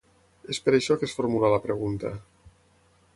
És per això que es formula la pregunta: